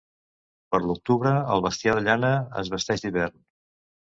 Per l'octubre el bestiar de llana es vesteix d'hivern.